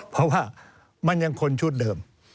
เพราะว่ามันยังคนชุดเดิม